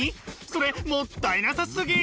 それもったいなさすぎ！